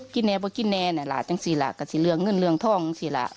กินแน่บอกว่ากินแน่เนี่ยล่ะจังสิล่ะก็สิเรื่องเงินเรื่องท้องสิล่ะ